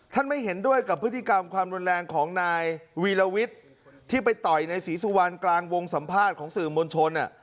ไม่เห็นด้วยกับพฤติกรรมความรุนแรงของนายวีรวิทย์ที่ไปต่อยในศรีสุวรรณกลางวงสัมภาษณ์ของสื่อมวลชน